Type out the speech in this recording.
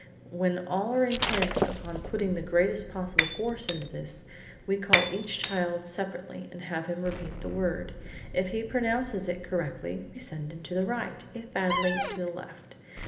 When all are intent upon putting the greatest possible force into this, we call each child separately, and have him repeat the word. If he pronounces it correctly, we send him to the right, if badly, to the left.